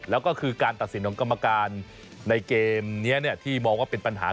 แล้วก็คือการตัดสินของกรรมการในเกมนี้ที่มองว่าเป็นปัญหา